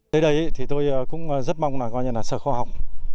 tới đây thì tôi cũng rất mong là coi như là sở khoa học